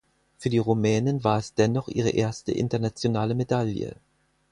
Für die Rumänin war es dennoch ihre erste internationale Medaille.